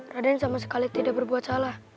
raden sama sekali tidak berbuat salah